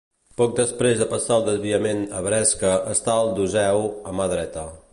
Poc després de passar el desviament a Bresca està el d'Useu, a mà dreta.